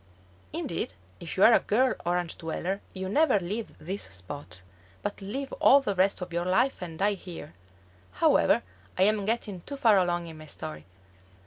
Indeed, if you are a girl Orange dweller you never leave this spot, but live all the rest of your life and die here. However, I am getting too far along in my story.